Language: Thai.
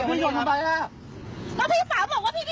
บอกว่าไปรับลูก